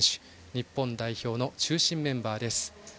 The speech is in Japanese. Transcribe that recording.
日本代表の中心メンバーです。